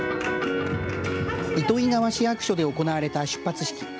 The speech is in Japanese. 糸魚川市役所で行われた出発式。